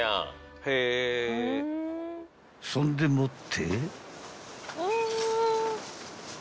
［そんでもって］